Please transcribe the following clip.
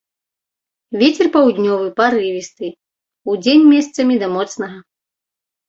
Вецер паўднёвы парывісты, удзень месцамі да моцнага.